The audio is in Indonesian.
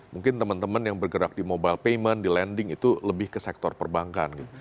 mungkin teman teman yang bergerak di mobile payment di landing itu lebih ke sektor perbankan gitu